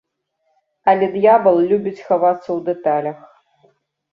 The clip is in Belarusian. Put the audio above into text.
Але д'ябал любіць хавацца ў дэталях.